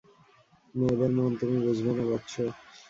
মেয়েদের মন তুমি বুঝবে না বৎস।